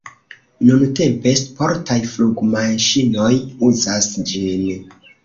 Nuntempe sportaj flugmaŝinoj uzas ĝin.